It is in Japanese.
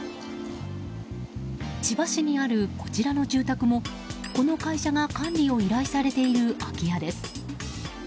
千葉市にある、こちらの住宅もこの会社が管理を依頼されている空き家です。